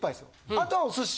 あとはお寿司。